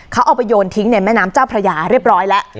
เขาเอาไปโยนทิ้งในแม่น้ำเจ้าพระยาเรียบร้อยแล้ว